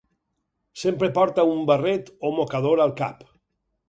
Sempre porta un barret o mocador al cap.